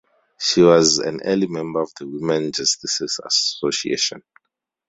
She was an early member of the Women Justices Association.